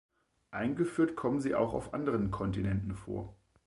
Eingeführt kommen sie auch auf anderen Kontinenten vor.